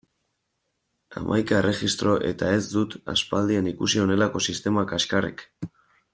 Hamaika erregistro eta ez dut aspaldian ikusi honelako sistema kaxkarrik!